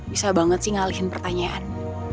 bisa banget sih ngalihin pertanyaan